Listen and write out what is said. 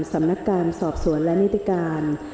สำนักการณ์วิทยาลัยส่รภาร์มและนิตการ